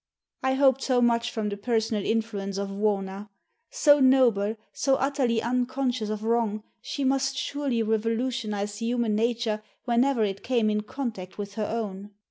I hoped so much from the personal influence of Wauna. So noble, so utterly unconscious of wrong, she must surely revolutionize human nature whenever it came in contact with her own.